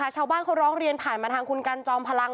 ชาวบ้านเขาร้องเรียนผ่านมาทางคุณกันจอมพลัง